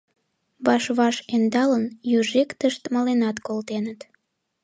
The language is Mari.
Ваш-ваш ӧндалын, южиктышт маленат колтеныт.